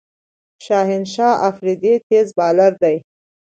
شاهین شاه آفريدي تېز بالر دئ.